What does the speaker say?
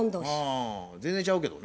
ああ全然ちゃうけどね。